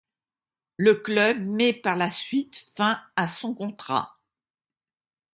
Le club met par la suite fin à son contrat.